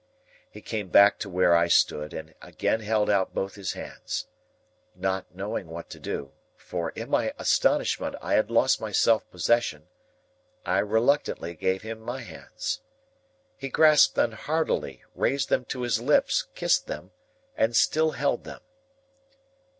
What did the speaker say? He came back to where I stood, and again held out both his hands. Not knowing what to do,—for, in my astonishment I had lost my self possession,—I reluctantly gave him my hands. He grasped them heartily, raised them to his lips, kissed them, and still held them.